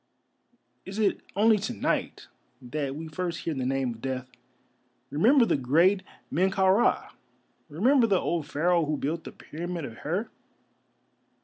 Is it only to night that we first hear the name of Death? Remember the great Men kau ra, remember the old Pharaoh who built the Pyramid of Hir.